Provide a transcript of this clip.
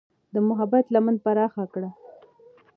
د محبت لمن پراخه کړه.